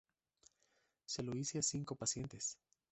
Se lo hice a cinco pacientes.